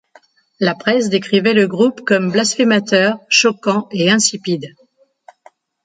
La presse décrivait le groupe comme blasphémateur, choquant et insipide.